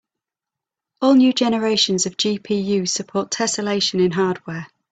All new generations of GPUs support tesselation in hardware.